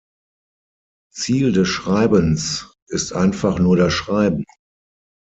Ziel des Schreibens ist einfach nur das Schreiben.